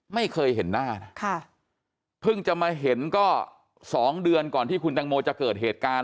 ไม่เคยเห็นหน้านะเพิ่งจะมาเห็นก็๒เดือนก่อนที่คุณตังโมจะเกิดเหตุการณ์